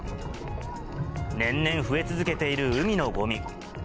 年々増え続けている海のごみ。